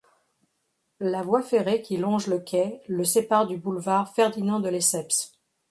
La voie ferrée qui longe le quai le sépare du boulevard Ferdinand-de-Lesseps.